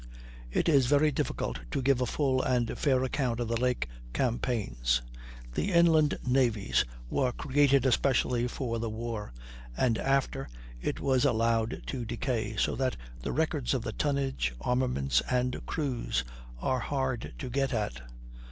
It is very difficult to give a full and fair account of the lake campaigns. The inland navies were created especially for the war, and, after it were allowed to decay, so that the records of the tonnage, armament, and crews are hard to get at.